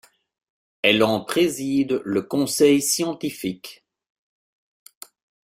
Elle en préside le conseil scientifique.